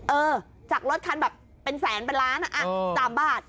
เออจากรถคันแบบเป็นแสนเป็นล้าน๓บาท